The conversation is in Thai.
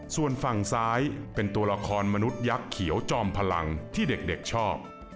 ส่วนฝั่งซ้ายเป็นตัวละครมนุษยักษ์เขียวจอมพลังที่เด็กชอบ